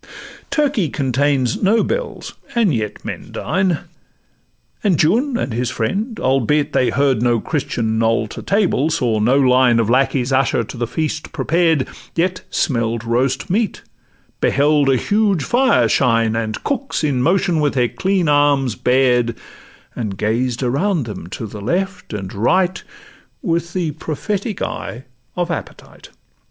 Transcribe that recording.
Turkey contains no bells, and yet men dine; And Juan and his friend, albeit they heard No Christian knoll to table, saw no line Of lackeys usher to the feast prepared, Yet smelt roast meat, beheld a huge fire shine, And cooks in motion with their clean arms bared, And gazed around them to the left and right With the prophetic eye of appetite.